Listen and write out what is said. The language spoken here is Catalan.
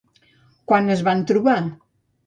Quan es van trobar?